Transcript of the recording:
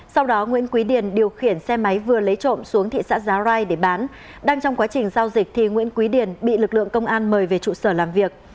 sau đó nguyễn quý điền điều khiển xe máy vừa lấy trộm xuống thị xã giá rai để bán đang trong quá trình giao dịch thì nguyễn quý điền bị lực lượng công an mời về trụ sở làm việc